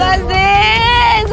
ya allah ini